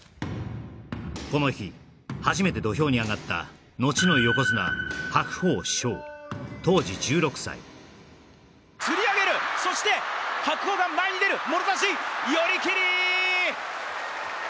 この日初めて土俵に上がったのちの横綱つり上げるそして白鵬が前に出るもろ差し寄り切り！